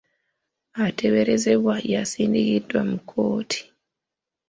Ateeberezebwa yasindikiddwa mu kkooti.